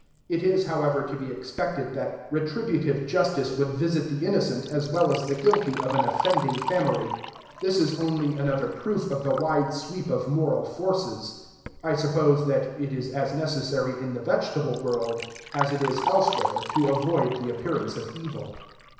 It is, however, to be expected, that retributive justice would visit the innocent as well as the guilty of an offending family. This is only another proof of the wide sweep of moral forces. I suppose that it is as necessary in the vegetable world as it is elsewhere to avoid the appearance of evil.